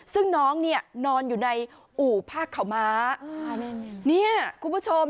ซึ่งน้องเนี่ยนอนอยู่ในอู่ภาคเขาม้าเนี่ยคุณผู้ชม